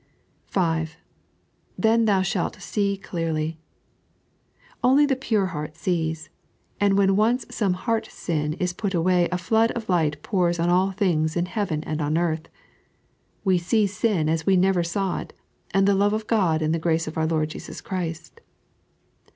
(5) Then thou shall see de<wly. Only the pure heart sees ; and when once some heart sin is put away a flood of light pours on all things in heaven and on earth. We see sin as we never saw it, and the love of God and the grace of our Lord JesuR Christ.